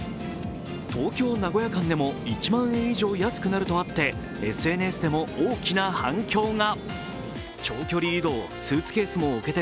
東京−名古屋間でも１万円以上安くなるとあってＳＮＳでも大きな反響が。